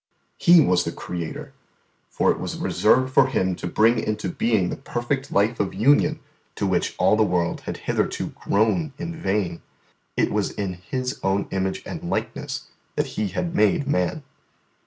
He was the Creator, for it was reserved for Him to bring into being the perfect life of union to which all the world had hitherto groaned in vain; it was in His own image and likeness that He had made man.